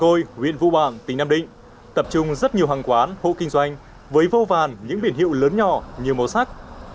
quốc lộ một mươi huyện vũ bàng tỉnh nam định tập trung rất nhiều hàng quán hộ kinh doanh với vô vàn những biển hiệu lớn nhỏ nhiều màu sắc